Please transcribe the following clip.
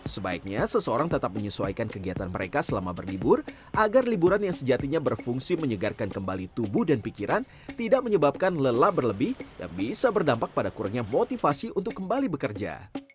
sebaiknya seseorang tetap menyesuaikan kegiatan mereka selama berlibur agar liburan yang sejatinya berfungsi menyegarkan kembali tubuh dan pikiran tidak menyebabkan lelah berlebih dan bisa berdampak pada kurangnya motivasi untuk kembali bekerja